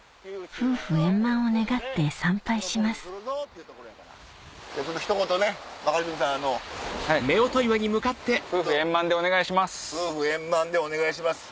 「夫婦円満でお願いします」。